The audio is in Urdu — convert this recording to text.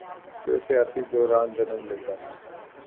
تو سیاسی بحران جنم لے گا۔